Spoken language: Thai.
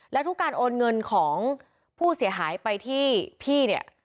และทุกการโอนเงินของผู้เสียหายไปที่พี่เนี่ย